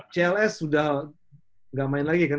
cls sudah nggak main lagi kan